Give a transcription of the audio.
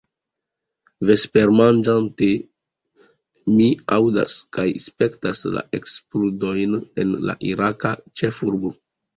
Vespermanĝante, mi aŭdas kaj spektas la eksplodojn en la iraka ĉefurbo.